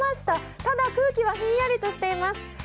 ただ空気はひんやりとしています。